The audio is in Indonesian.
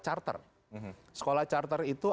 charter sekolah charter itu